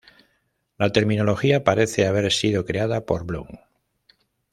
La terminología parece haber sido creada por Blum.